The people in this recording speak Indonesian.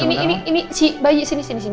ini si bayi sini sini sini